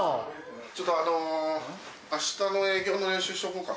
ちょっとあの明日の営業の練習しとこうか。